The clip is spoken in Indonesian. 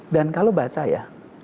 dan kalau baca ya